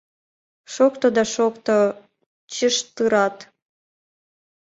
— Шокто да шокто — чыштырат.